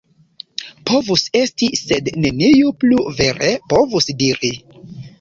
Povus esti, sed neniu plu vere povus diri.